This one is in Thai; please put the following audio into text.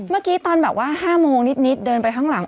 เมื่อกี้ตอนแบบว่า๕โมงนิดเดินไปข้างหลัง